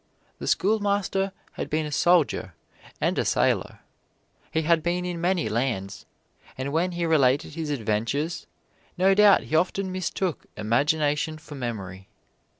The schoolmaster had been a soldier and a sailor. He had been in many lands, and when he related his adventures, no doubt he often mistook imagination for memory.